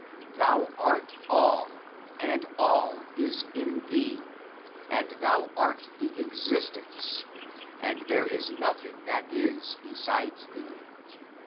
Thou (art) all, and all (is) in thee; and thou (art) the existence, and there is nothing that is, besides thee.